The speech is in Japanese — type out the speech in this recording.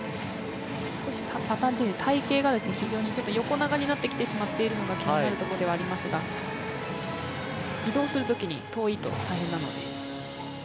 少し隊形が非常に横長になってきてしまっているのが気になるところではありますが移動するときに遠いと大変なので。